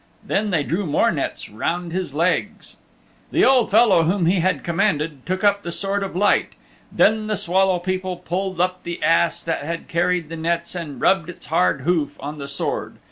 Then they drew more nets around his legs. The old fellow whom he had commanded took up the Sword of Light. Then the Swallow People pulled up the ass that had carried the nets and rubbed its hard hoof on the Sword.